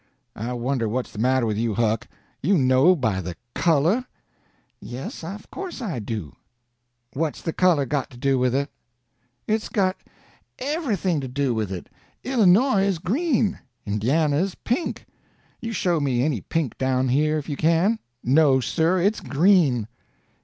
"I wonder what's the matter with you, Huck. You know by the color?" "Yes, of course I do." "What's the color got to do with it?" "It's got everything to do with it. Illinois is green, Indiana is pink. You show me any pink down here, if you can. No, sir; it's green."